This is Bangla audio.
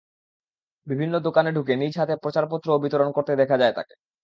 বিভিন্ন দোকানে ঢুকে নিজ হাতে প্রচারপত্রও বিতরণ করতে দেখা যায় তাঁকে।